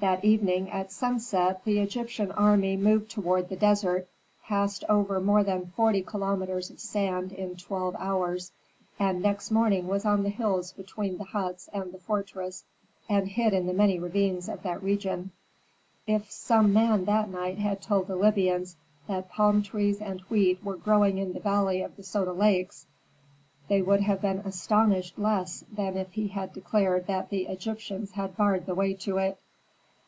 That evening at sunset the Egyptian army moved toward the desert, passed over more than forty kilometres of sand in twelve hours, and next morning was on the hills between the huts and the fortress and hid in the many ravines of that region. If some man that night had told the Libyans that palm trees and wheat were growing in the valley of the Soda Lakes they would have been astonished less than if he had declared that the Egyptians had barred the way to it.